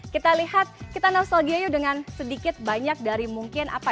kita lihat kita nostalgia yuk dengan sedikit banyak dari mungkin apa